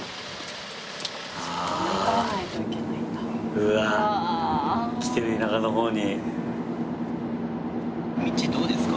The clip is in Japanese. うわっ来てるよ田舎のほうに。